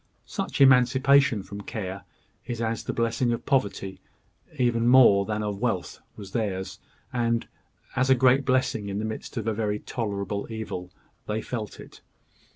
Such emancipation from care as is the blessing of poverty, even more than of wealth, was theirs; and, as a great blessing in the midst of very tolerable evil, they felt it.